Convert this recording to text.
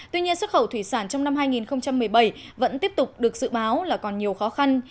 tuy nhiên xuất khẩu thủy sản trong năm hai nghìn một mươi bảy vẫn tiếp tục được dự báo là còn nhiều khó khăn